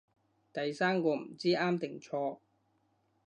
第三個唔知啱定錯